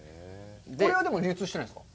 これはでも流通してないんですか？